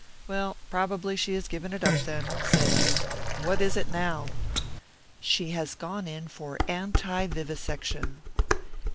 "Well, probably she has given it up, then," said he. "What is it now?" "She has gone in for anti vivisection."